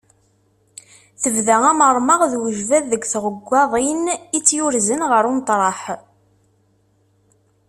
Tebda amermeɣ d ujbad deg tɣeggaḍin i tt-yurzen ɣer umeṭreḥ.